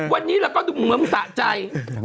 วันนี้เราก็ดูเหมือนสะใจ